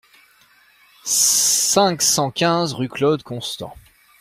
cinq cent quinze rue Claude Constant